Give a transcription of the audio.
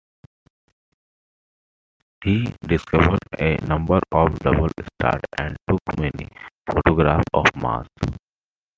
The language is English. He discovered a number of double stars and took many photographs of Mars.